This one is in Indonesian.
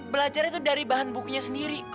belajarnya dari bahan bukunya sendiri